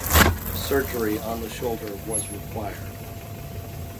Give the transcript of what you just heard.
Surgery on the shoulder was required.